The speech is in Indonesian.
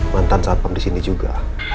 mantan satpam di sini juga